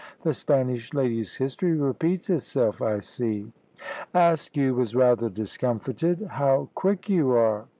The Spanish lady's history repeats itself, I see." Askew was rather discomfited. "How quick you are!"